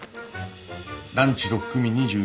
ランチ６組２４名。